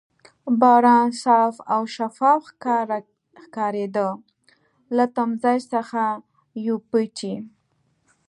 باران صاف او شفاف ښکارېده، له تمځای څخه یو پېټی.